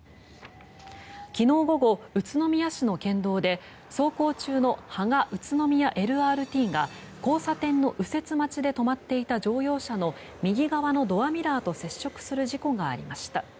昨日午後、宇都宮市の県道で走行中の芳賀・宇都宮ＬＲＴが交差点の右折待ちで止まっていた乗用車の右側のドアミラーと接触する事故がありました。